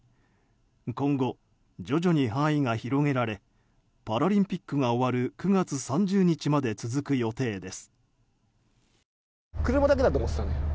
今後、徐々に範囲が広げられパラリンピックが終わる９月３０日まで続く予定です。